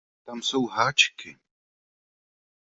Tam jsou háčky.